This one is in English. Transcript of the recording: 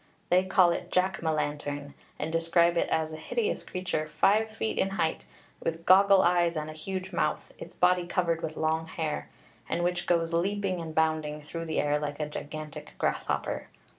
They call it Jack muh lantern, and describe it as a hideous creature five feet in height, with goggle eyes and huge mouth, its body covered with long hair, and which goes leaping and bounding through the air like a gigantic grasshopper.